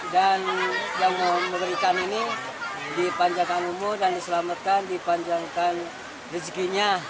dan yang mau memberikan ini dipanjangkan umur dan diselamatkan dipanjangkan rezekinya